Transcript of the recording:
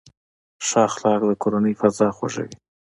ښه اخلاق د کورنۍ فضا خوږوي.